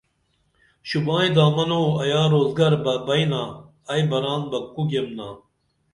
شوبائی دامنو ایا روزگر بہ بئنا ائی بران بہ کو گیمنا